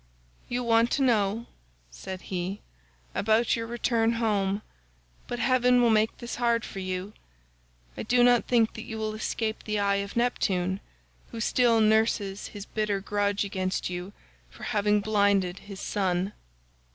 "'You want to know,' said he, 'about your return home, but heaven will make this hard for you. I do not think that you will escape the eye of Neptune, who still nurses his bitter grudge against you for having blinded his son.